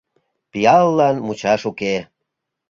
Пиаллан мучаш уке...»